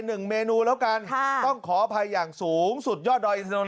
หนึ่งเมนูแล้วกันค่ะต้องขออภัยอย่างสูงสุดยอดดอยอินทนนท